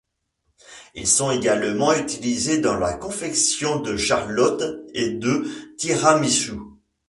Ils sont également utilisés dans la confection de charlottes et de tiramisu.